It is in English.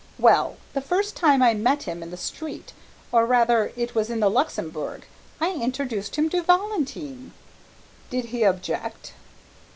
Well the first time I met him in the street, or rather, it was in the Luxembourg, I introduced him to Valentine!" "Did he object?"